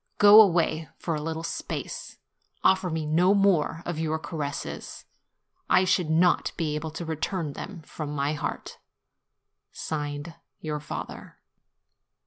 Go away, for a little space; offer me no more of your caresses ; I should not be able to return them from my heart. YOUR FATHER.